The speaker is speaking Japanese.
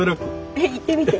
えっ言ってみて。